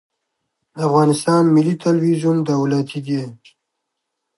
د افغانستان ملي تلویزیون دولتي دی